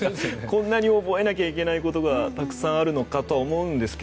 こんなに覚えないといけないことがたくさんあるのかと思うんですが。